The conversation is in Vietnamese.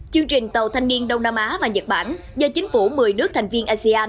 chương trình tàu thanh niên đông nam á và nhật bản do chính phủ một mươi nước thành viên asean